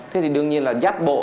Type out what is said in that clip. thế thì đương nhiên là giác bộ